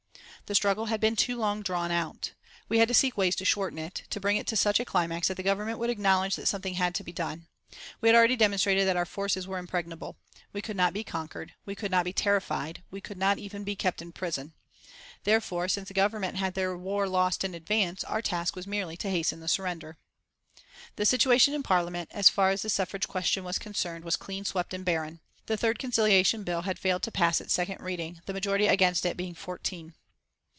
The struggle had been too long drawn out. We had to seek ways to shorten it, to bring it to such a climax that the Government would acknowledge that something had to be done. We had already demonstrated that our forces were impregnable. We could not be conquered, we could not be terrified, we could not even be kept in prison. Therefore, since the Government had their war lost in advance, our task was merely to hasten the surrender. The situation in Parliament, as far as the suffrage question was concerned, was clean swept and barren. The third Conciliation Bill had failed to pass its second reading, the majority against it being fourteen.